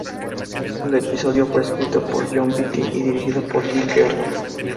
El episodio fue escrito por Jon Vitti y dirigido por Jim Reardon.